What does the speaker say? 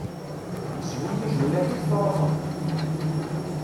Zwi ijulal-ik truḥeḍ!